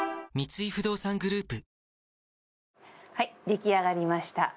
出来上がりました。